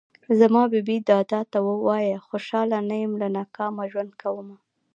زما بې بې دادا ته وايه خوشحاله نه يم له ناکامه ژوند کومه